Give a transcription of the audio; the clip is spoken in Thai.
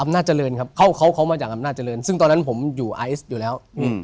อำนาจเจริญครับเขามาจากอำนาจเจริญซึ่งตอนนั้นผมอยู่ไอซ์อยู่แล้ว